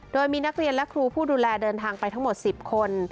โดยมีนักเรียนและครูผู้ดูแลเดินทางไปทั้งหมด๑๐คน